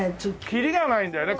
きりがないんだよね